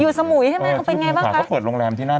สมุยใช่ไหมเป็นไงบ้างคะเขาเปิดโรงแรมที่นั่น